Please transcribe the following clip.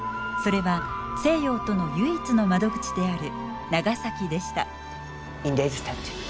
それは西洋との唯一の窓口である長崎でした。